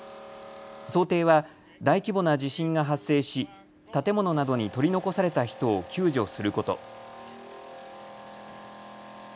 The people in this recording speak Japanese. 想定は大規模な地震が発生し建物などに取り残された人を救助すること。